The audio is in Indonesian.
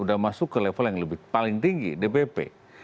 udah masuk ke level yang paling tinggi dpp